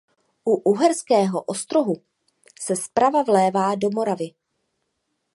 U Uherského Ostrohu se zprava vlévá do Moravy.